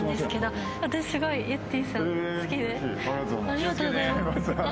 ありがとうございます。